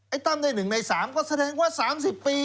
ตั้มได้๑ใน๓ก็แสดงว่า๓๐ปี